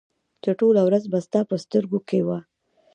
چې ټوله ورځ به ستا په سترګو کې وه